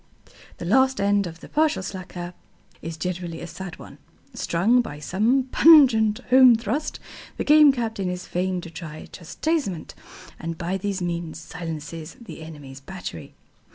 The last end of the partial slacker is generally a sad one. Stung by some pungent home thrust, the Game Captain is fain to try chastisement, and by these means silences the enemy's battery.